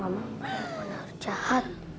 mama kalau benar jahat